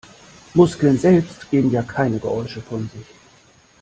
Muskeln selbst geben ja keine Geräusche von sich.